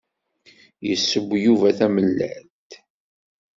Yesseww Yuba tamellalt.